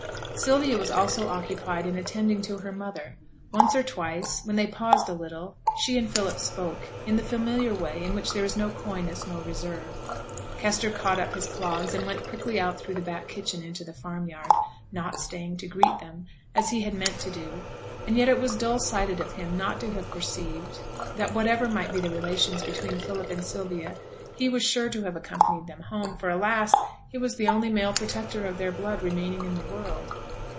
Sylvia was also occupied in attending to her mother; one or twice, when they paused a little, she and Philip spoke, in the familiar way in which there is no coyness nor reserve. Kester caught up his clogs, and went quickly out through the back kitchen into the farm yard, not staying to greet them, as he had meant to do; and yet it was dull sighted of him not to have perceived that whatever might be the relations between Philip and Sylvia, he was sure to have accompanied them home; for, alas! he was the only male protector of their blood remaining in the world.